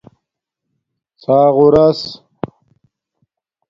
ݼاغݸراس